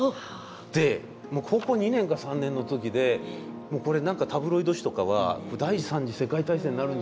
でもう高校２年か３年の時でもうこれ何かタブロイド紙とかは第３次世界大戦になるんじゃないかって。